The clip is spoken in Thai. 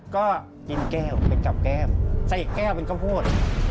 ก็กินแก้วไปจับแก้มใส่แก้วเป็นกัมพด